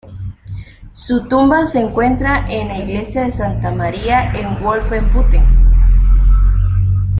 Su tumba se encuentra en la Iglesia de Santa María en Wolfenbüttel.